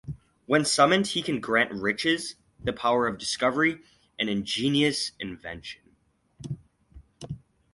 When summoned, he can grant riches, the power of discovery and ingenious invention.